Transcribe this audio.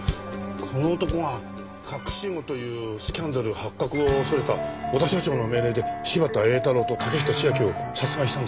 この男が隠し子というスキャンダル発覚を恐れた小田社長の命令で柴田英太郎と竹下千晶を殺害したんじゃないでしょうか？